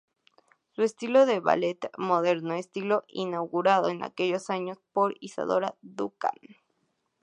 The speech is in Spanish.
Su estilo era el ballet moderno, estilo inaugurado en aquellos años por Isadora Duncan.